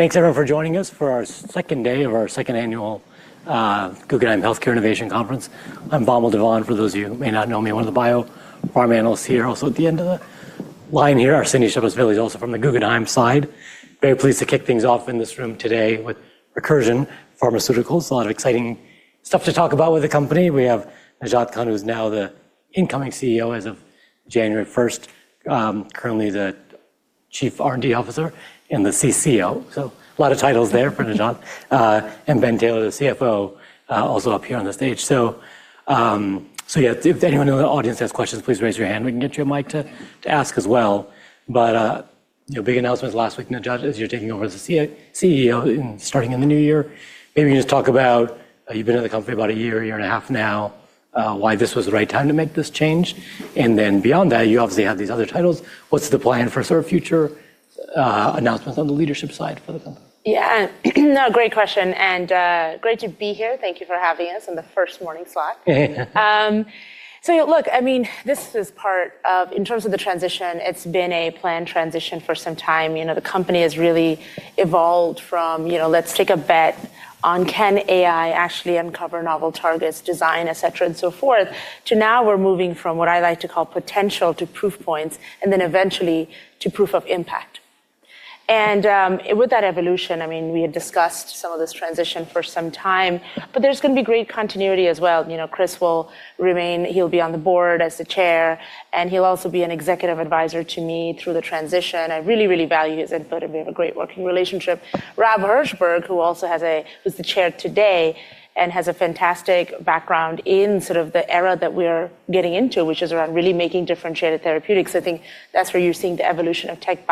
Thanks, everyone, for joining us for our Second Day of our Second Annual Guggenheim Healthcare Innovation Conference. I'm Bommel Devon, for those of you who may not know me, one of the biopharma Analyst here. Also, at the end of the line here, our Sydney Shepherd-Villi is also from the Guggenheim side. Very pleased to kick things off in this room today with Recursion Pharmaceuticals. A lot of exciting stuff to talk about with the company. We have Najat Khan, who's now the incoming CEO as of January 1, currently the Chief R&D Officer and the CCO. A lot of titles there for Najat. And Ben Taylor, the CFO, also up here on the stage. If anyone in the audience has questions, please raise your hand. We can get you a mic to ask as well. Big announcements last week, Najat, as you're taking over as the CEO and starting in the new year. Maybe you can just talk about, you've been in the company about a year, a year and a half now, why this was the right time to make this change. Beyond that, you obviously have these other titles. What's the plan for sort of future announcements on the leadership side for the company? Yeah, no, great question. Great to be here. Thank you for having us on the first morning slot. Look, I mean, this is part of, in terms of the transition, it's been a planned transition for some time. The company has really evolved from, let's take a bet on can AI actually uncover novel targets, design, et cetera, and so forth, to now we're moving from what I like to call potential to proof points and then eventually to proof of impact. With that evolution, I mean, we had discussed some of this transition for some time, but there's going to be great continuity as well. Chris will remain, he'll be on the Board as the Chair, and he'll also be an executive advisor to me through the transition. I really, really value his input, and we have a great working relationship. Rob Hershberg, who also is the chair today and has a fantastic background in sort of the era that we're getting into, which is around really making differentiated therapeutics, I think that's where you're seeing the evolution of tech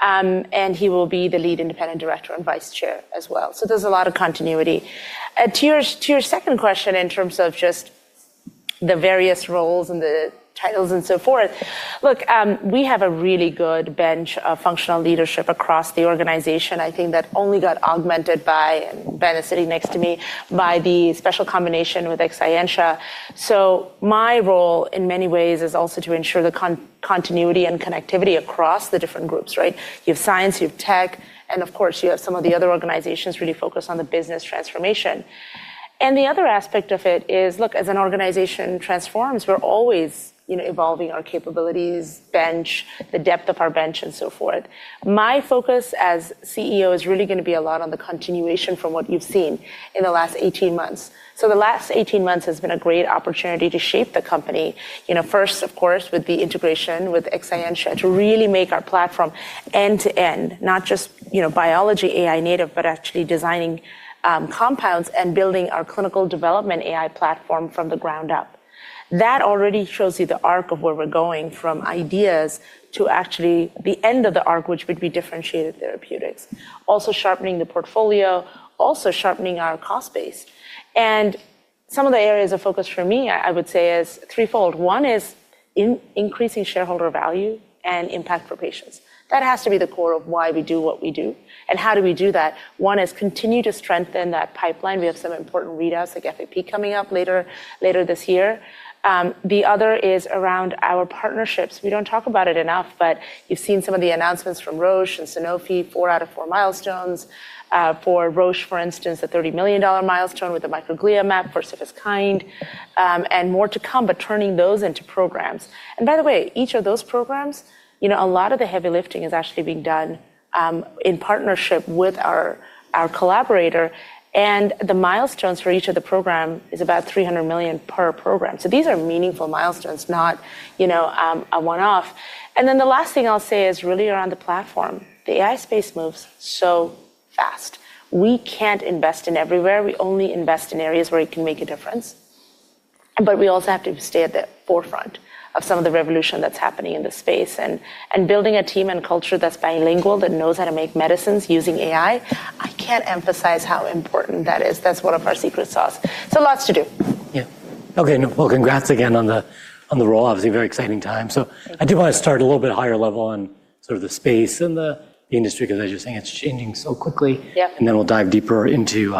bio. He will be the lead Independent Director and Vice Chair as well. There is a lot of continuity. To your second question in terms of just the various roles and the titles and so forth, look, we have a really good bench of functional leadership across the organization. I think that only got augmented by, and Ben is sitting next to me, by the special combination with Exscientia. My role in many ways is also to ensure the continuity and connectivity across the different groups, right? You have science, you have tech, and of course, you have some of the other organizations really focused on the business transformation. The other aspect of it is, look, as an organization transforms, we're always evolving our capabilities, the depth of our bench, and so forth. My focus as CEO is really going to be a lot on the continuation from what you've seen in the last 18 months. The last 18 months has been a great opportunity to shape the company. First, of course, with the integration with Exscientia to really make our platform end to end, not just biology AI native, but actually designing compounds and building our clinical development AI platform from the ground up. That already shows you the arc of where we're going from ideas to actually the end of the arc, which would be differentiated therapeutics. Also sharpening the portfolio, also sharpening our cost base. Some of the areas of focus for me, I would say, is threefold. One is increasing shareholder value and impact for patients. That has to be the core of why we do what we do. And how do we do that? One is continue to strengthen that pipeline. We have some important readouts like FAP coming up later this year. The other is around our partnerships. We do not talk about it enough, but you have seen some of the announcements from Roche and Sanofi, four out of four milestones. For Roche, for instance, a $30 million milestone with a Microglia Map for first-of-its kind, and more to come, but turning those into programs. By the way, each of those programs, a lot of the heavy lifting is actually being done in partnership with our collaborator. The milestones for each of the programs is about $300 million per program. These are meaningful milestones, not a one-off. The last thing I'll say is really around the platform. The AI space moves so fast. We can't invest in everywhere. We only invest in areas where it can make a difference. We also have to stay at the forefront of some of the revolution that's happening in the space and building a team and culture that's bilingual, that knows how to make medicines using AI. I can't emphasize how important that is. That's one of our secret sauce. Lots to do. Yeah. Okay. Congrats again on the rolloff. It's a very exciting time. I do want to start a little bit higher level on sort of the space and the industry, because as you're saying, it's changing so quickly. Then we'll dive deeper into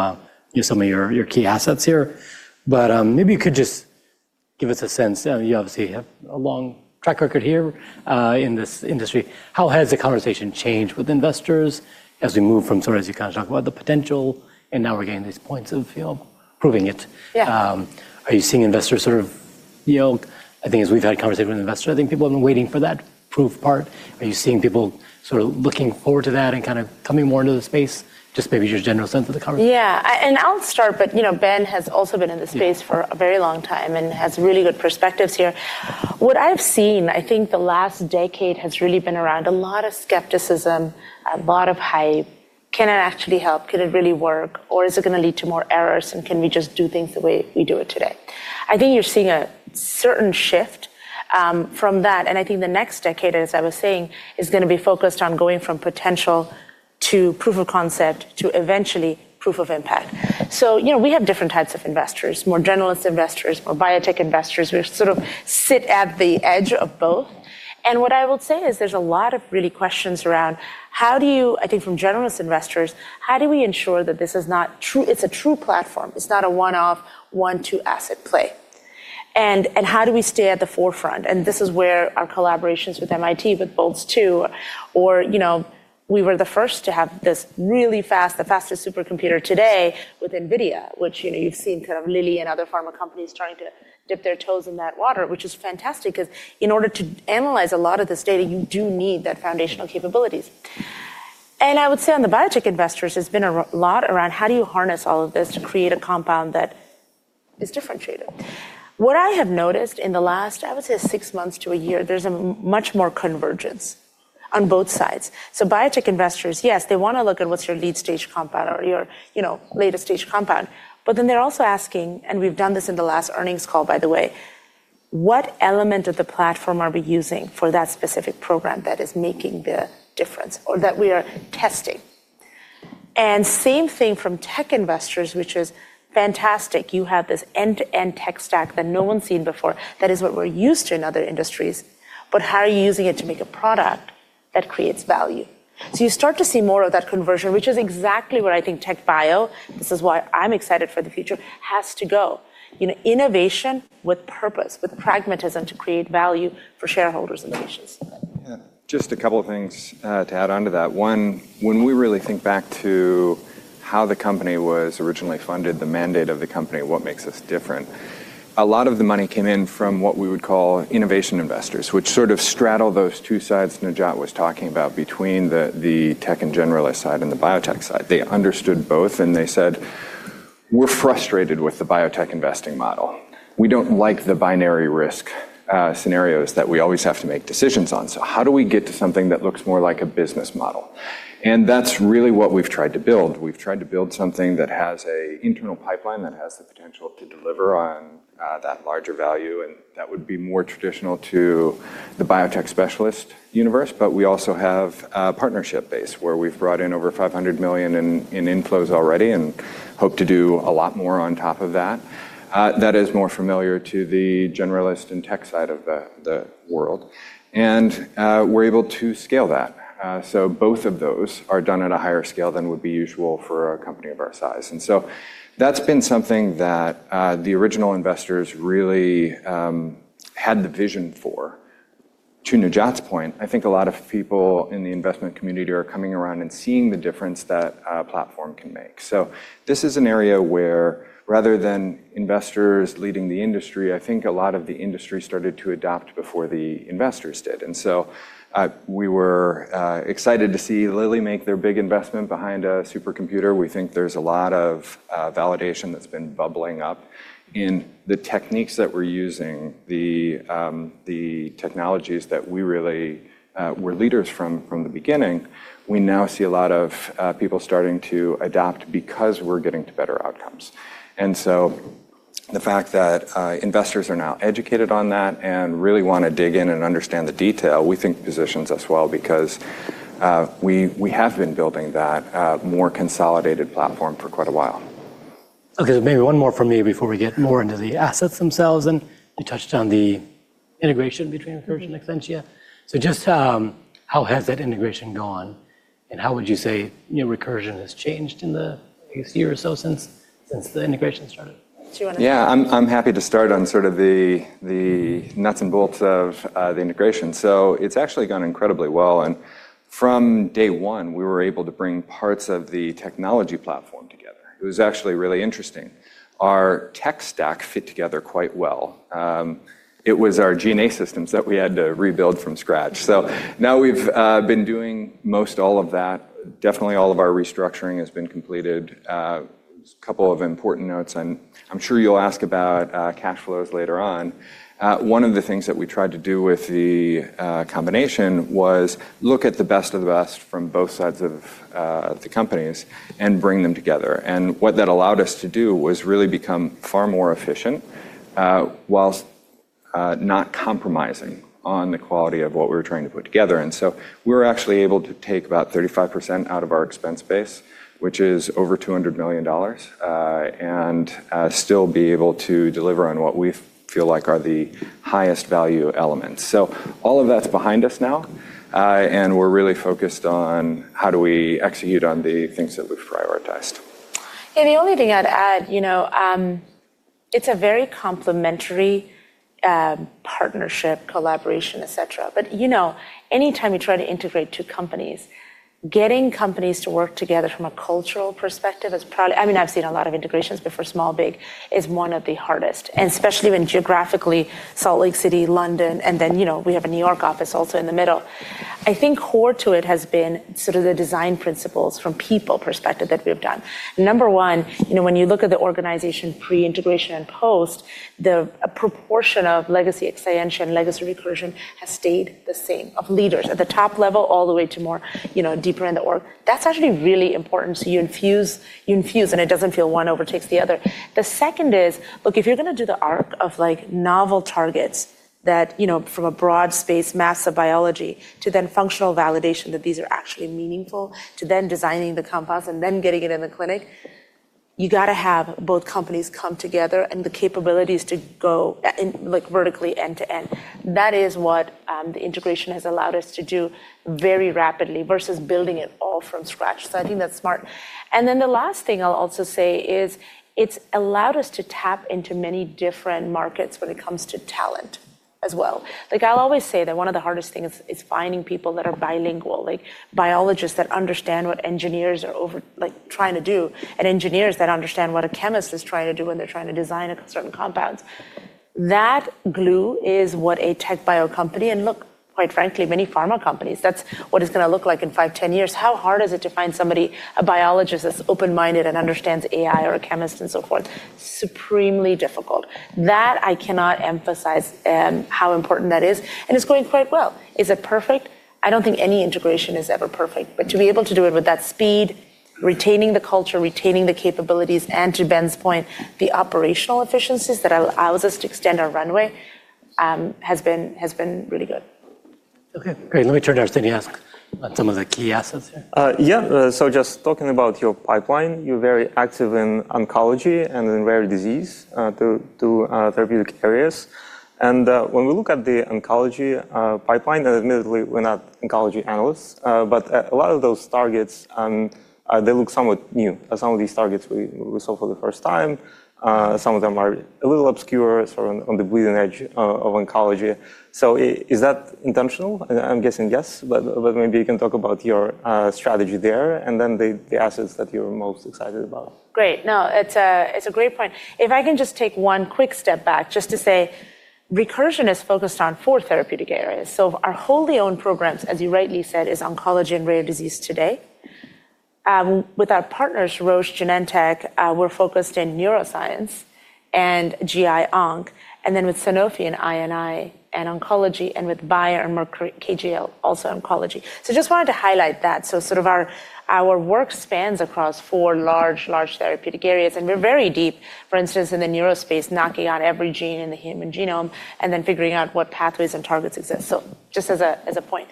some of your key assets here. Maybe you could just give us a sense. You obviously have a long track record here in this industry. How has the conversation changed with investors as we move from sort of, as you kind of talk about the potential, and now we're getting these points of proving it? Are you seeing investors sort of, I think as we've had conversation with investors, I think people have been waiting for that proof part. Are you seeing people sort of looking forward to that and kind of coming more into the space? Just maybe your general sense of the conversation. Yeah. I'll start, but Ben has also been in the space for a very long time and has really good perspectives here. What I've seen, I think the last decade has really been around a lot of skepticism, a lot of, hey, can it actually help? Can it really work? Or is it going to lead to more errors? Can we just do things the way we do it today? I think you're seeing a certain shift from that. I think the next decade, as I was saying, is going to be focused on going from potential to proof of concept to eventually proof of impact. We have different types of investors, more generalist investors, more biotech investors. We sort of sit at the edge of both. What I would say is there's a lot of really questions around how do you, I think from generalist investors, how do we ensure that this is not true? It's a true platform. It's not a one-off, one-two asset play. How do we stay at the forefront? This is where our collaborations with MIT, with Boltz-2, or we were the first to have this really fast, the fastest supercomputer today with NVIDIA, which you've seen kind of Lilly and other pharma companies trying to dip their toes in that water, which is fantastic because in order to analyze a lot of this data, you do need that foundational capabilities. I would say on the biotech investors, there's been a lot around how do you harness all of this to create a compound that is differentiated. What I have noticed in the last, I would say, six months to a year, there's much more convergence on both sides. Biotech investors, yes, they want to look at what's your lead stage compound or your latest stage compound. Then they're also asking, and we've done this in the last earnings call, by the way, what element of the platform are we using for that specific program that is making the difference or that we are testing? Same thing from tech investors, which is fantastic. You have this end-to-end tech stack that no one's seen before. That is what we're used to in other industries. How are you using it to make a product that creates value? You start to see more of that conversion, which is exactly where I think tech bio, this is why I'm excited for the future, has to go. Innovation with purpose, with pragmatism to create value for shareholders and patients. Yeah. Just a couple of things to add on to that. One, when we really think back to how the company was originally funded, the mandate of the company, what makes us different? A lot of the money came in from what we would call innovation investors, which sort of straddle those two sides Najat was talking about between the tech and generalist side and the biotech side. They understood both, and they said, we're frustrated with the biotech investing model. We don't like the binary risk scenarios that we always have to make decisions on. How do we get to something that looks more like a business model? That's really what we've tried to build. We've tried to build something that has an internal pipeline that has the potential to deliver on that larger value. That would be more traditional to the biotech specialist universe. We also have a partnership base where we've brought in over $500 million in inflows already and hope to do a lot more on top of that. That is more familiar to the generalist and tech side of the world. We're able to scale that. Both of those are done at a higher scale than would be usual for a company of our size. That's been something that the original investors really had the vision for. To Najat's point, I think a lot of people in the investment community are coming around and seeing the difference that a platform can make. This is an area where rather than investors leading the industry, I think a lot of the industry started to adopt before the investors did. We were excited to see Eli Lilly make their big investment behind a supercomputer. We think there's a lot of validation that's been bubbling up in the techniques that we're using, the technologies that we really were leaders from the beginning. We now see a lot of people starting to adopt because we're getting to better outcomes. The fact that investors are now educated on that and really want to dig in and understand the detail, we think positions us well because we have been building that more consolidated platform for quite a while. Okay. Maybe one more from me before we get more into the assets themselves. You touched on the integration between Recursion and Exscientia. Just how has that integration gone? How would you say Recursion has changed in the year or so since the integration started? Yeah. I'm happy to start on sort of the nuts and bolts of the integration. It's actually gone incredibly well. From day one, we were able to bring parts of the technology platform together. It was actually really interesting. Our tech stack fit together quite well. It was our G&A systems that we had to rebuild from scratch. Now we've been doing most all of that. Definitely all of our restructuring has been completed. A couple of important notes. I'm sure you'll ask about cash flows later on. One of the things that we tried to do with the combination was look at the best of the best from both sides of the companies and bring them together. What that allowed us to do was really become far more efficient whilst not compromising on the quality of what we were trying to put together. We were actually able to take about 35% out of our expense base, which is over $200 million, and still be able to deliver on what we feel like are the highest value elements. All of that's behind us now. We're really focused on how do we execute on the things that we've prioritized. Yeah. The only thing I'd add, it's a very complementary partnership, collaboration, et cetera. Anytime you try to integrate two companies, getting companies to work together from a cultural perspective is probably, I mean, I've seen a lot of integrations before. Small, big is one of the hardest. Especially when geographically Salt Lake City, London, and then we have a New York office also in the middle. I think core to it has been sort of the design principles from people perspective that we've done. Number one, when you look at the organization pre-integration and post, the proportion of legacy Exscientia and legacy Recursion has stayed the same of leaders at the top level all the way to more deeper in the org. That's actually really important so you infuse, and it doesn't feel one overtakes the other. The second is, look, if you're going to do the arc of novel targets from a broad space, massive biology, to then functional validation that these are actually meaningful, to then designing the compounds and then getting it in the clinic, you got to have both companies come together and the capabilities to go vertically end to end. That is what the integration has allowed us to do very rapidly versus building it all from scratch. I think that's smart. The last thing I'll also say is it's allowed us to tap into many different markets when it comes to talent as well. I'll always say that one of the hardest things is finding people that are bilingual, like biologists that understand what engineers are trying to do and engineers that understand what a chemist is trying to do when they're trying to design certain compounds. That glue is what a tech bio company, and look, quite frankly, many pharma companies, that's what it's going to look like in five, ten years. How hard is it to find somebody, a biologist that's open-minded and understands AI or a chemist and so forth? Supremely difficult. I cannot emphasize how important that is. And it's going quite well. Is it perfect? I do not think any integration is ever perfect. To be able to do it with that speed, retaining the culture, retaining the capabilities, and to Ben's point, the operational efficiencies that allow us to extend our runway has been really good. Okay. Great. Let me turn it over to Najat about some of the key assets here. Yeah. So, just talking about your pipeline, you're very active in oncology and in rare disease, two therapeutic areas. When we look at the oncology pipeline, and admittedly, we're not oncology analysts, a lot of those targets, they look somewhat new. Some of these targets we saw for the first time. Some of them are a little obscure, sort of on the bleeding edge of oncology. Is that intentional? I'm guessing yes. Maybe you can talk about your strategy there and then the assets that you're most excited about. Great. No, it's a great point. If I can just take one quick step back just to say, Recursion is focused on four therapeutic areas. Our wholly owned programs, as you rightly said, is oncology and rare disease today. With our partners, Roche, Genentech, we're focused in neuroscience and GI onc. With Sanofi and I&I and oncology, and with Bayer and Mercury KGL, also oncology. I just wanted to highlight that. Our work spans across four large, large therapeutic areas. We're very deep, for instance, in the neurospace, knocking out every gene in the human genome and then figuring out what pathways and targets exist. Just as a point.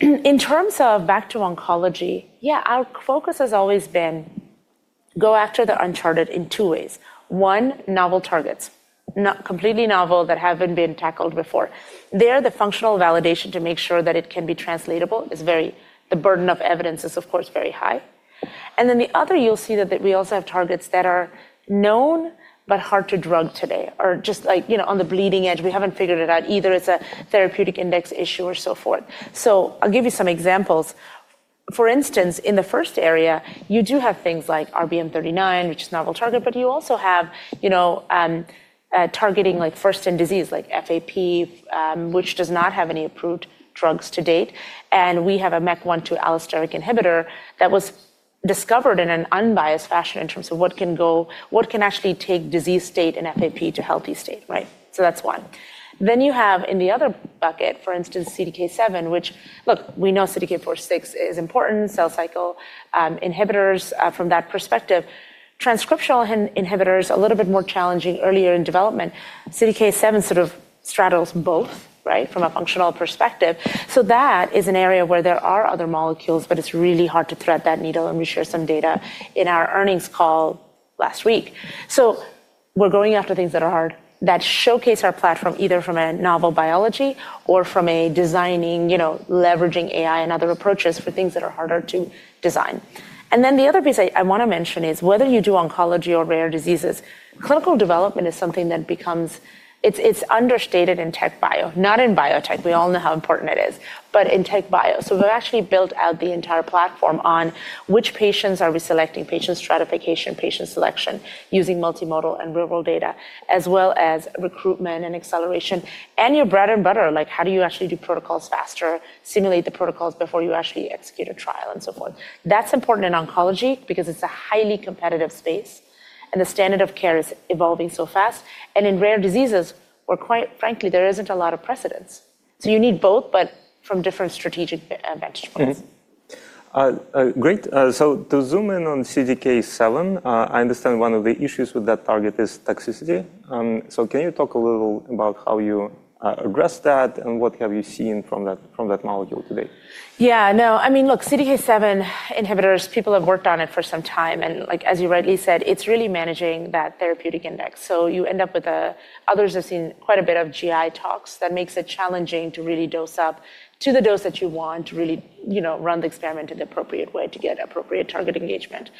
In terms of back to oncology, yeah, our focus has always been to go after the uncharted in two ways. One, novel targets, completely novel that haven't been tackled before. There, the functional validation to make sure that it can be translatable is very, the burden of evidence is, of course, very high. Then the other, you'll see that we also have targets that are known but hard to drug today or just on the bleeding edge. We haven't figured it out either. It's a therapeutic index issue or so forth. I'll give you some examples. For instance, in the first area, you do have things like RBM39, which is a novel target, but you also have targeting like first-in-disease like FAP, which does not have any approved drugs to date. We have a MEK1/2 allosteric inhibitor that was discovered in an unbiased fashion in terms of what can actually take disease state and FAP to healthy state, right? That's one. You have in the other bucket, for instance, CDK7, which, look, we know CDK4/6 is important, cell cycle inhibitors from that perspective. Transcriptional inhibitors, a little bit more challenging earlier in development. CDK7 sort of straddles both, right, from a functional perspective. That is an area where there are other molecules, but it's really hard to thread that needle. We shared some data in our earnings call last week. We're going after things that are hard that showcase our platform either from a novel biology or from designing, leveraging AI and other approaches for things that are harder to design. The other piece I want to mention is whether you do oncology or rare diseases, clinical development is something that becomes, it's understated in tech bio, not in biotech. We all know how important it is, but in tech bio. We've actually built out the entire platform on which patients are we selecting, patient stratification, patient selection using multimodal and real-world data, as well as recruitment and acceleration. Your bread and butter, like how do you actually do protocols faster, simulate the protocols before you actually execute a trial and so forth. That's important in oncology because it's a highly competitive space. The standard of care is evolving so fast. In rare diseases, quite frankly, there isn't a lot of precedence. You need both, but from different strategic vantage points. Great. To zoom in on CDK7, I understand one of the issues with that target is toxicity. Can you talk a little about how you address that and what have you seen from that molecule today? Yeah. No, I mean, look, CDK7 inhibitors, people have worked on it for some time. As you rightly said, it's really managing that therapeutic index. You end up with, others have seen quite a bit of GI tox that makes it challenging to really dose up to the dose that you want to really run the experiment in the appropriate way to get appropriate target engagement.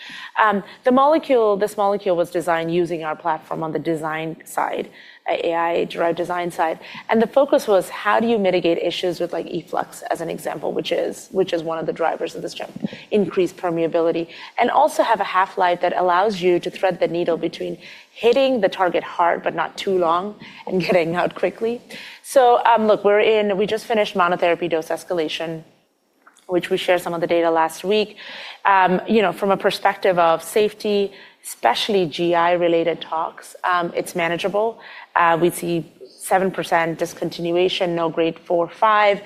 The molecule, this molecule was designed using our platform on the design side, AI-driven design side. The focus was how do you mitigate issues with efflux as an example, which is one of the drivers of this jump, increased permeability, and also have a half-life that allows you to thread the needle between hitting the target hard but not too long and getting out quickly. Look, we're in, we just finished monotherapy dose escalation, which we shared some of the data last week. From a perspective of safety, especially GI-related tox, it's manageable. We see 7% discontinuation, no grade four or five.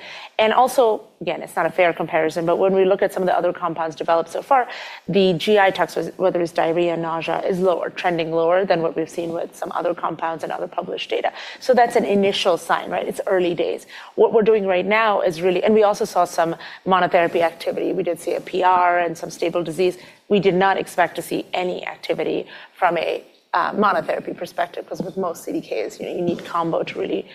Also, again, it's not a fair comparison, but when we look at some of the other compounds developed so far, the GI toxicity, whether it's diarrhea or nausea, is lower, trending lower than what we've seen with some other compounds and other published data. That's an initial sign, right? It's early days. What we're doing right now is really, and we also saw some monotherapy activity. We did see a PR and some stable disease. We did not expect to see any activity from a monotherapy perspective because with most CDKs, you need combo to really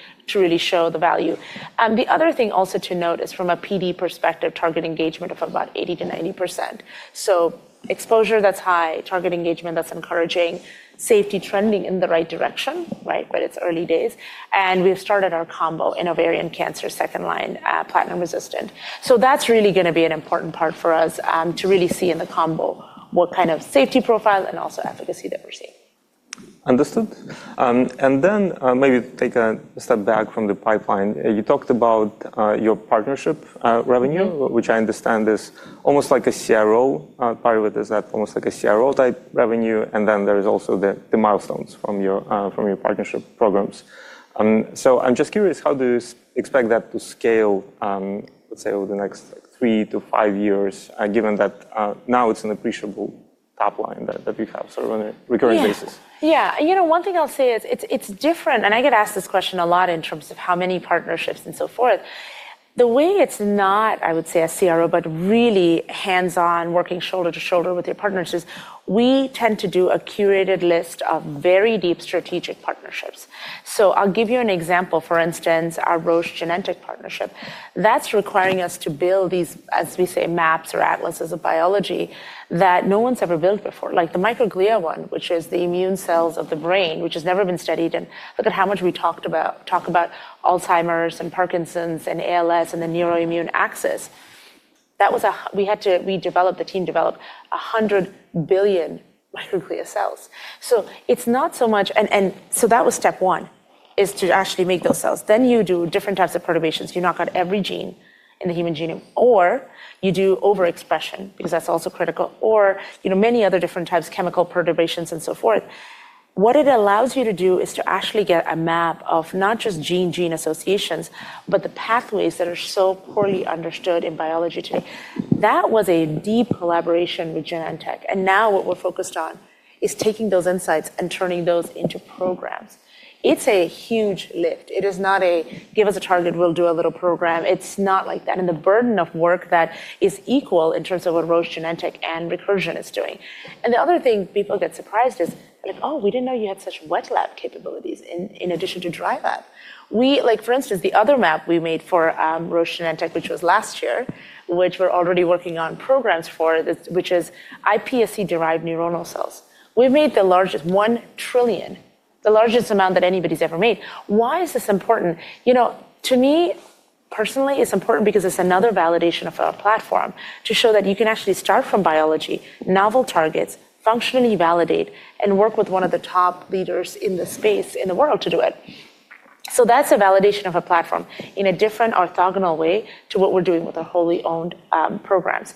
show the value. The other thing also to note is from a PD perspective, target engagement of about 80%-90%. So, exposure that's high, target engagement that's encouraging, safety trending in the right direction, right? But it's early days. And we've started our combo in ovarian cancer, second line, platinum resistant. So, that's really going to be an important part for us to really see in the combo what kind of safety profile and also efficacy that we're seeing. Understood. Maybe take a step back from the pipeline. You talked about your partnership revenue, which I understand is almost like a CRO pilot. Is that almost like a CRO-type revenue? There are also the milestones from your partnership programs. I'm just curious, how do you expect that to scale, let's say, over the next three to five years, given that now it's an appreciable top line that you have sort of on a recurring basis? Yeah. You know, one thing I'll say is it's different, and I get asked this question a lot in terms of how many partnerships and so forth. The way it's not, I would say, a CRO, but really hands-on, working shoulder to shoulder with your partners, is we tend to do a curated list of very deep strategic partnerships. For instance, our Roche, Genentech partnership, that's requiring us to build these, as we say, maps or atlases of biology that no one's ever built before, like the microglia one, which is the immune cells of the brain, which has never been studied. Look at how much we talked about Alzheimer's and Parkinson's and ALS and the Neuroimmune Axis. That was a, we had to, we developed, the team developed 100 billion microglia cells. It's not so much, and so that was step one is to actually make those cells. Then you do different types of perturbations. You knock out every gene in the human genome, or you do overexpression because that's also critical, or many other different types of chemical perturbations and so forth. What it allows you to do is to actually get a map of not just gene-gene associations, but the pathways that are so poorly understood in biology today. That was a deep collaboration with Genentech. Now what we're focused on is taking those insights and turning those into programs. It's a huge lift. It is not a, give us a target, we'll do a little program. It's not like that. The burden of work that is equal in terms of what Roche and Genentech and Recursion is doing. The other thing people get surprised is, like, oh, we didn't know you had such wet lab capabilities in addition to dry lab. We, like for instance, the other map we made for Roche, Genentech, which was last year, which we're already working on programs for, which is iPSC-derived neuronal cells. We've made the largest 1 trillion, the largest amount that anybody's ever made. Why is this important? You know, to me personally, it's important because it's another validation of our platform to show that you can actually start from biology, novel targets, functionally validate, and work with one of the top leaders in the space in the world to do it. That's a validation of a platform in a different orthogonal way to what we're doing with our wholly owned programs.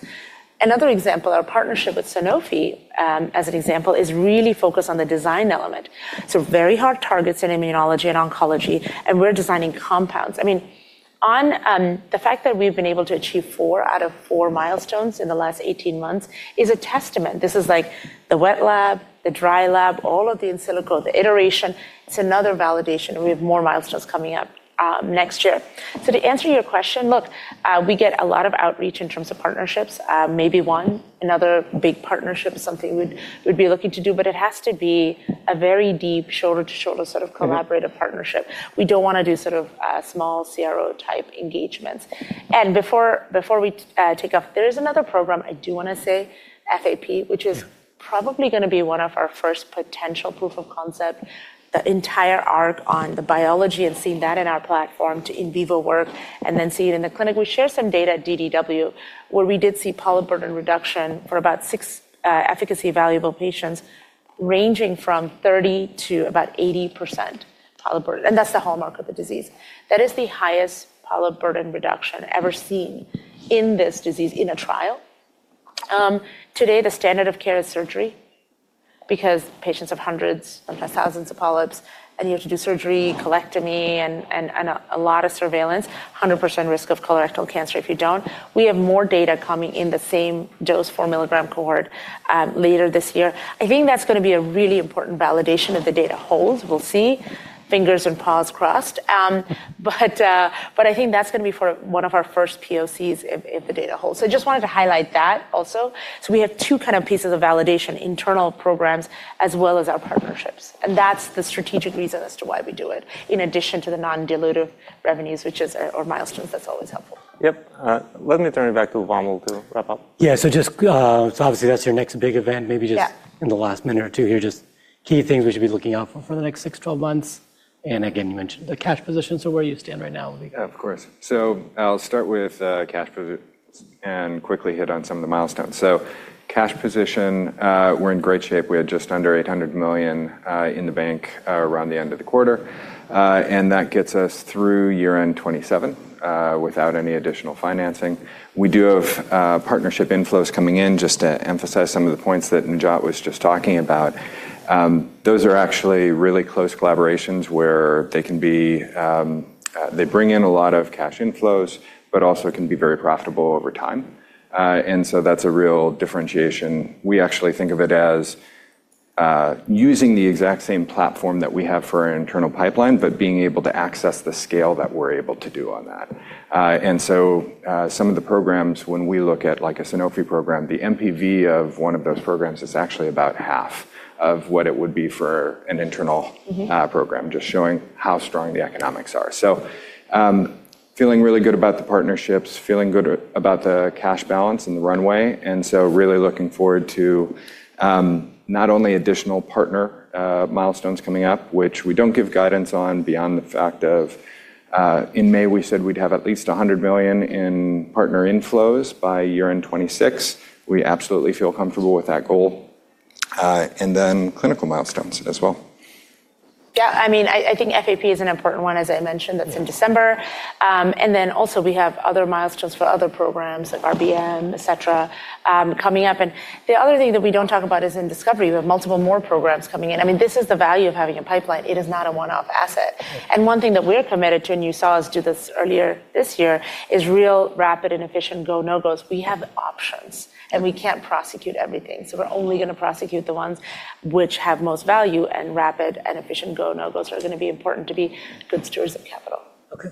Another example, our partnership with Sanofi as an example is really focused on the design element. Very hard targets in immunology and oncology, and we're designing compounds. I mean, on the fact that we've been able to achieve four out of four milestones in the last 18 months is a testament. This is like the wet lab, the dry lab, all of the in silico, the iteration. It's another validation. We have more milestones coming up next year. To answer your question, look, we get a lot of outreach in terms of partnerships. Maybe one, another big partnership is something we'd be looking to do, but it has to be a very deep shoulder-to-shoulder sort of collaborative partnership. We don't want to do sort of small CRO-type engagements. Before we take off, there is another program I do want to say, FAP, which is probably going to be one of our first potential proof of concept, the entire arc on the biology and seeing that in our platform to in vivo work and then see it in the clinic. We shared some data at DDW where we did see polyp burden reduction for about six efficacy-valuable patients ranging from 30%-80% polyp burden. That is the hallmark of the disease. That is the highest polyp burden reduction ever seen in this disease in a trial. Today, the standard of care is surgery because patients have hundreds, sometimes thousands of polyps, and you have to do surgery, colectomy, and a lot of surveillance, 100% risk of colorectal cancer if you do not. We have more data coming in the same dose, 4 milligram cohort later this year. I think that's going to be a really important validation if the data holds. We'll see. Fingers and paws crossed. I think that's going to be for one of our first POCs if the data holds. I just wanted to highlight that also. We have two kind of pieces of validation, internal programs as well as our partnerships. That's the strategic reason as to why we do it in addition to the non-dilutive revenues, which is, or milestones, that's always helpful. Yep. Let me turn it back to Bommel to wrap up. Yeah. Just, so obviously that's your next big event, maybe just in the last minute or two here, just key things we should be looking out for for the next 6-12 months. Again, you mentioned the cash position. Where you stand right now. Of course. I'll start with cash position and quickly hit on some of the milestones. Cash position, we're in great shape. We had just under $800 million in the bank around the end of the quarter. That gets us through year-end 2027 without any additional financing. We do have partnership inflows coming in just to emphasize some of the points that Najat was just talking about. Those are actually really close collaborations where they can be, they bring in a lot of cash inflows, but also can be very profitable over time. That's a real differentiation. We actually think of it as using the exact same platform that we have for our internal pipeline, but being able to access the scale that we're able to do on that. Some of the programs, when we look at like a Sanofi program, the MPV of one of those programs is actually about half of what it would be for an internal program, just showing how strong the economics are. Feeling really good about the partnerships, feeling good about the cash balance and the runway. Really looking forward to not only additional partner milestones coming up, which we do not give guidance on beyond the fact of in May, we said we would have at least $100 million in partner inflows by year-end 2026. We absolutely feel comfortable with that goal. And then clinical milestones as well. Yeah. I mean, I think FAP is an important one, as I mentioned, that's in December. Also, we have other milestones for other programs like RBM, et cetera, coming up. The other thing that we do not talk about is in discovery. We have multiple more programs coming in. I mean, this is the value of having a pipeline. It is not a one-off asset. One thing that we're committed to, and you saw us do this earlier this year, is real rapid and efficient go-no-goes. We have options and we cannot prosecute everything. We are only going to prosecute the ones which have most value and rapid and efficient go-no-goes are going to be important to be good stewards of capital. Okay.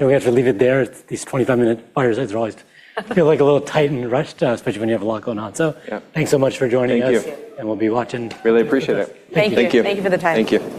We have to leave it there. These 25-minute fires are always, I feel like, a little tight and rushed, especially when you have a lot going on. Thanks so much for joining us. Thank you. We'll be watching. Really appreciate it. Thank you. Thank you for the time. Thank you.